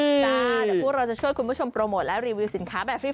เดี๋ยวพวกเราจะช่วยคุณผู้ชมโปรโมทและรีวิวสินค้าแบบฟรี